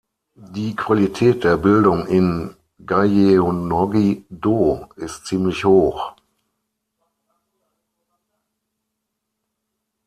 Die Qualität der Bildung in Gyeonggi-do ist ziemlich hoch.